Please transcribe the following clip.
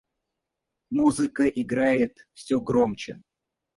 Музыка играет всё громче.